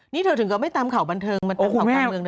นี่เธอถึงกับไม่ตามข่าวบันเทิงมันตามข่าวการเมืองนะ